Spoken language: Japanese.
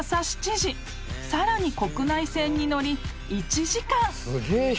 ［さらに国内線に乗り１時間］